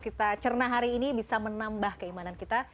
kita cerna hari ini bisa menambah keimanan kita